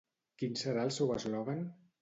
Quin serà el seu eslògan?